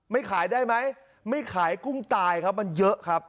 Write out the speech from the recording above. ขายได้ไหมไม่ขายกุ้งตายครับมันเยอะครับ